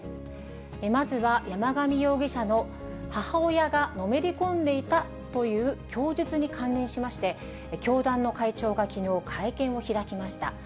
まずは山上容疑者の母親がのめり込んでいたという供述に関連しまして、教団の会長がきのう、会見を開きました。